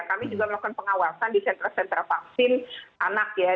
kami juga melakukan pengawasan di sentra sentra vaksin anak ya